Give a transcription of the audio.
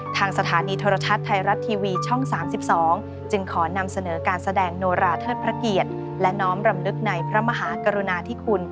ทางสถานีโทรทัศน์ไทยรัฐทีวีช่อง๓๒จึงขอนำเสนอการแสดงโนราเทิดพระเกียรติและน้อมรำลึกในพระมหากรุณาธิคุณ